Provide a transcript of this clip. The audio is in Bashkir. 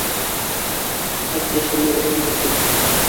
Ҡыҙ кешене рәнйетеп.